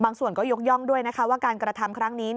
ส่วนก็ยกย่องด้วยนะคะว่าการกระทำครั้งนี้